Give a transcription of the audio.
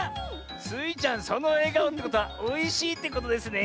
スイちゃんそのえがおってことはおいしいってことですね。